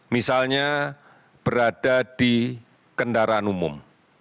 misalnya berada di kendaraan umum